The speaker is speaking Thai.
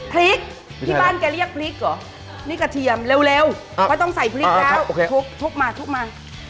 พริกที่บ้านแกเรียกพริกเหรอนี่กระเทียมเร็วไม่ต้องใส่พริกแล้วทุบมาทุบมา